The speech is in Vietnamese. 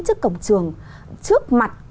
trước cổng trường trước mặt